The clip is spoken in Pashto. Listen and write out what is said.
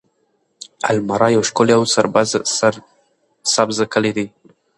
المره يو ښکلی او سرسبزه کلی دی.